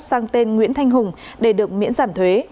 sang tên nguyễn thanh hùng để được miễn giảm thuế